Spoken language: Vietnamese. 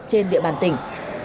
trên địa bàn tỉnh